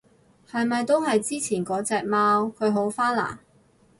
係咪都係之前嗰隻貓？佢好返嘞？